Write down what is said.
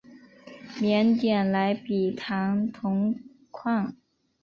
缅甸莱比塘铜矿。